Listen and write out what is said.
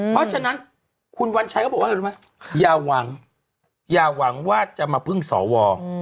เพราะฉะนั้นคุณวัญชัยเขาบอกว่ารู้ไหมอย่าหวังอย่าหวังว่าจะมาพึ่งสว